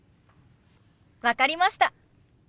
分かりました。